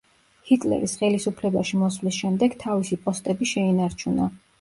ჰიტლერის ხელისუფლებაში მოსვლის შემდეგ თავისი პოსტები შეინარჩუნა.